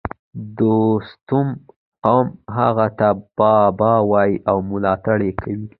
د دوستم قوم هغه ته بابا وايي او ملاتړ یې کوي